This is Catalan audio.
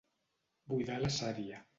Buidar la sària.